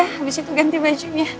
habis itu ganti bajunya